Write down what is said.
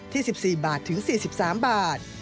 ที่๑๔๔๓บาท